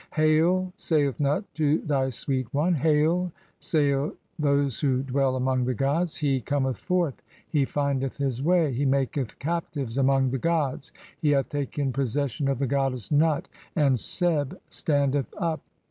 'Hail', saith Nut to thy Sweet 'One. 'Hail', say those who dwell among the gods, (21) 'He 'cometh forth, he findeth [his] way, he maketh captives among 'the gods, he hath taken possession of the goddess Nut, and Seb 'standeth up.'